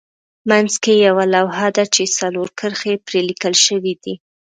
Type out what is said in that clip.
منځ کې یوه لوحه ده چې څلور کرښې پرې لیکل شوې دي.